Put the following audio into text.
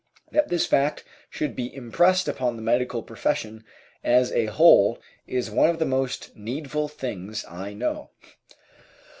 That this fact should be impressed upon the medical profession as a whole is one of the most needful things I know.